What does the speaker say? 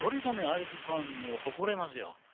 アリスファンを誇れますよ。